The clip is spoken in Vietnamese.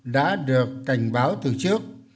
đã được cảnh báo từ trước